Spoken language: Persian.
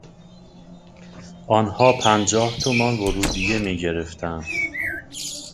آنها پنجاه تومان ورودیه میگرفتند.